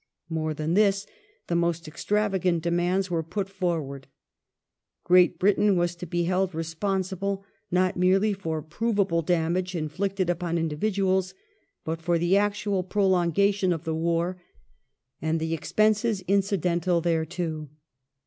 More than this. The most extravagant demands were put forward. Great Britain was to be held responsible not merely for provable damage inflicted upon individuals, but for the actual prolongation of the war and the expenses incidental thereto.